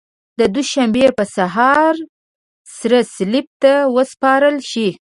د دوشنبې په سهار سره صلیب ته وسپارل شي.